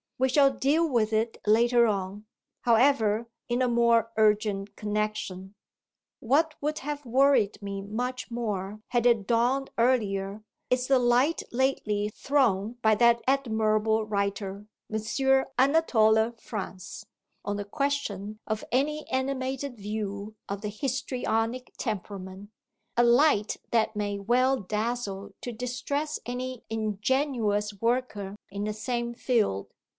We shall deal with it later on, however, in a more urgent connexion. What would have worried me much more had it dawned earlier is the light lately thrown by that admirable writer M. Anatole France on the question of any animated view of the histrionic temperament a light that may well dazzle to distress any ingenuous worker in the same field.